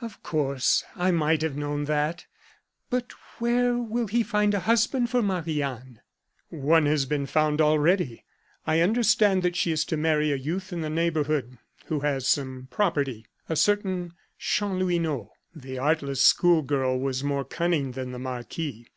"Of course I might have known that but where will he find a husband for Marie Anne?" "One has been found already. I understand that she is to marry a youth in the neighborhood, who has some property a certain Chanlouineau." The artless school girl was more cunning than the marquis.